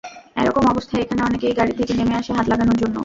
এরকম অবস্থায় এখানে অনেকেই গাড়ি থেকে নেমে আসে হাত লাগানোর জন্য।